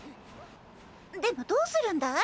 でもどうするんだい？